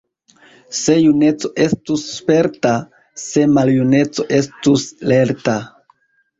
Se juneco estus sperta, se maljuneco estus lerta!